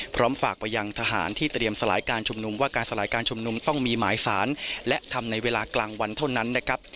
พร้อมฝากไปยังทหารที่เตรียมสลายการชุมนุมว่าการสลายการชุมนุมต้องมีหมายสารและทำในเวลากลางวันเท่านั้นนะครับ